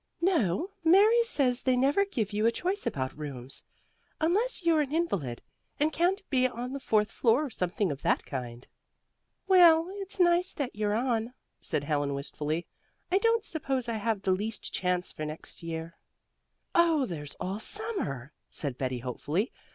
"No, Mary says they never give you a choice about rooms, unless you're an invalid and can't be on the fourth floor or something of that kind." "Well, it's nice that you're on," said Helen wistfully. "I don't suppose I have the least chance for next year." "Oh, there's all summer," said Betty hopefully.